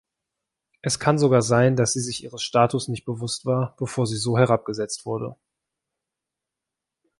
Es kann sogar sein, dass sie sich ihres Status nicht bewusst war, bevor sie so herabgesetzt wurde.